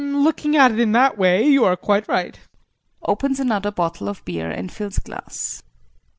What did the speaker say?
JEAN. Looking at it in that way you are quite right. [Opens another bottle of beer and fills glass.